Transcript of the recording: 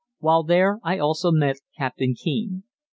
While there I also met Captain Kean.